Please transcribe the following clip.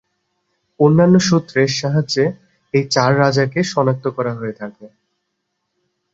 অন্যান্য সূত্রে সাহায্যে এই চার রাজাকে সনাক্ত করা হয়ে থাকে।